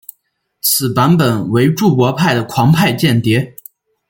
此版本为注博派的狂派间谍。